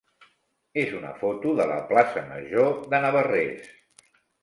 és una foto de la plaça major de Navarrés.